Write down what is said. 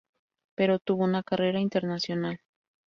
Pero tuvo una carrera internacional.